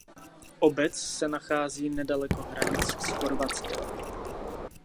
Obec se nachází nedaleko hranic s Chorvatskem.